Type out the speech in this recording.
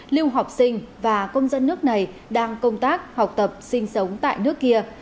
lưu học sinh và công dân nước này đang công tác học tập sinh sống tại nước kia